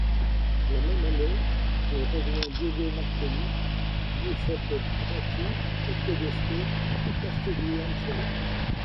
La même année, il rejoint Diego Martelli, Giuseppe Abbati et Tedesco à Castiglioncello.